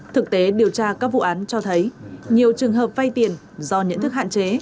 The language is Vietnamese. thực tế điều tra các vụ án cho thấy nhiều trường hợp vay tiền do nhận thức hạn chế